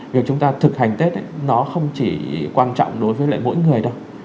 việc chúng ta thực hành tết nó không chỉ quan trọng đối với lại mỗi người đâu